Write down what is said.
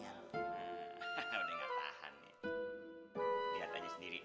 udah gak tahan nih liat aja sendiri nih